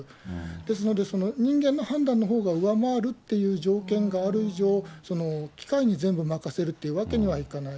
ですので、人間の判断のほうが上回るっていう条件がある以上、機械に全部任せるというわけにはいかない。